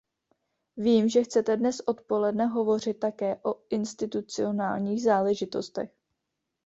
Vím, že chcete dnes odpoledne hovořit také o institucionálních záležitostech.